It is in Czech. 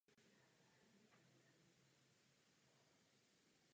Také je vidět Velká Sova.